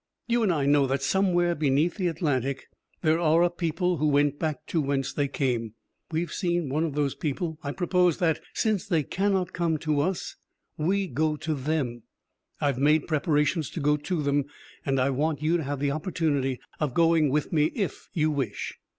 You and I know that somewhere beneath the Atlantic there are a people who went back to whence they came. We have seen one of those people. I propose that, since they cannot come to us, we go to them. I have made preparations to go to them, and I wanted you to have the opportunity of going with me, if you wish."